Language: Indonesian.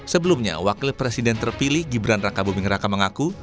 sebelumnya wakil presiden terpilih gibran raka buming raka mengaku